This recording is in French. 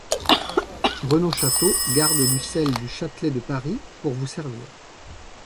Renault Château, garde du scel du Châtelet de Paris, pour vous servir.